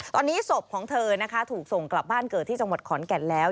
ตอนนี้ศพของเธอนะคะถูกส่งกลับบ้านเกิดที่จังหวัดขอนแก่นแล้ว